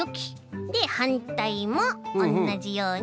ではんたいもおんなじように。